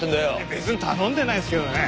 別に頼んでないですけどね。